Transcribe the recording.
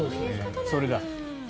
それだ。